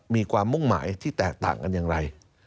มีความมุ่งหมายที่แตกต่างกันอย่างไร